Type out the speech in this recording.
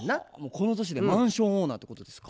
この年でマンションオーナーってことですか。